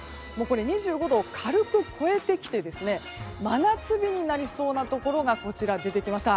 ２５度を軽く超えてきて真夏日になりそうなところが出てきました。